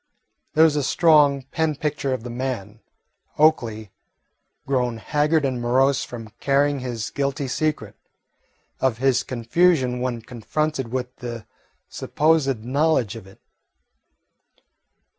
There was a strong pen picture of the man, Oakley, grown haggard and morose from carrying his guilty secret, of his confusion when confronted with the supposed knowledge of it.